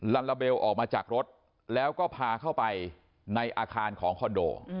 ลาลาเบลออกมาจากรถแล้วก็พาเข้าไปในอาคารของคอนโด